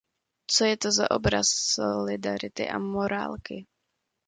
Co je to za obraz solidarity a morálky?